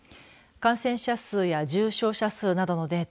感染者数や重症者数などのデータ